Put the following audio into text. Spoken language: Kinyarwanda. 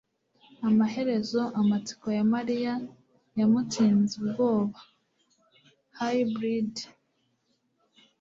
Amaherezo amatsiko ya mariya yamutsinze ubwoba (Hybrid)